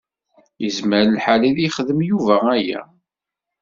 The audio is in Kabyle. Yezmer lḥal ad yexdem Yuba aya.